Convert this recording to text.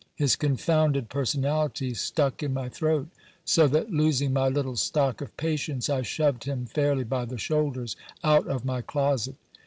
His confounded personality stuck in my throat ; so that losing my little stock of patience, I shoved him fairly by the shoulders out of my closet.